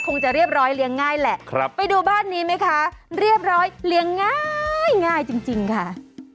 คงจะเรียบร้อยเลี้ยงง่ายแหละไปดูบ้านนี้ไหมคะเรียบร้อยเลี้ยงง่ายจริงค่ะ